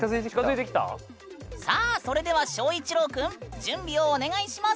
さあそれでは翔一郎くん準備をお願いします。